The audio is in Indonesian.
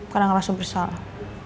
kadang langsung bersalah